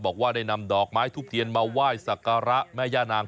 บอกว่าได้นำดอกไม้ทุบเทียนมาไหว้สักการะแม่ย่านาง